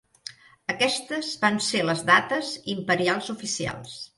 Aquestes van ser les dates imperials oficials.